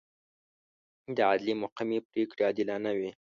د عدلي محکمې پرېکړې عادلانه وي.